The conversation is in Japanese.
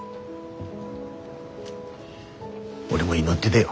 俺も祈ってだよ。